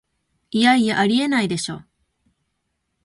いやいや、ありえないでしょ